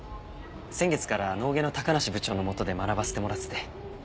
先月から脳外の高梨部長の下で学ばせてもらってて。